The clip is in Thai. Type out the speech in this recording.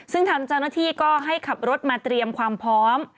ซึ่งทางเจ้าหน้าที่ก็ให้ขับรถมาเตรียมความพร้อม